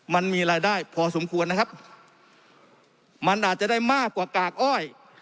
มันมีรายได้พอสมควรนะครับมันอาจจะได้มากกว่ากากอ้อย